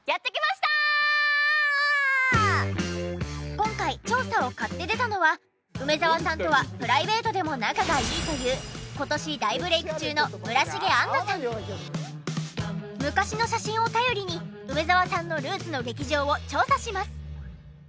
今回調査を買って出たのは梅沢さんとはプライベートでも仲がいいという今年昔の写真を頼りに梅沢さんのルーツの劇場を調査します。